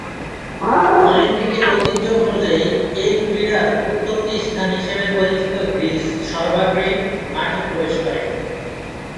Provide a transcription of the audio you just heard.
অলিম্পিকের ঐতিহ্য অনুযায়ী এ ক্রীড়ার উৎপত্তি স্থান হিসেবে পরিচিত গ্রীস সর্বাগ্রে মাঠে প্রবেশ করে।